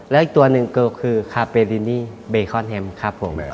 และอีกตัวหนึ่งก็คือคาเปลินีเบคอนแฮมครับผม